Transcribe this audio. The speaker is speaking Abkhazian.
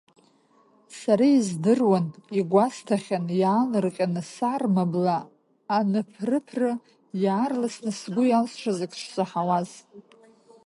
Сара издыруан, игәасҭахьан, иаалырҟьаны сарма бла аныԥры-ԥры, иаарласны сгәы иалсшаз ак шсаҳауаз.